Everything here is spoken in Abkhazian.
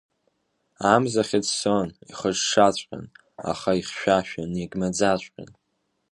Амза хьыӡсон ихыҽҽаҵәҟьан, аха ихьшәашәан, иагьмаӡаҵәҟьан.